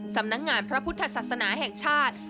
สำนักงานพระพุทธศาสนาแห่งชาติ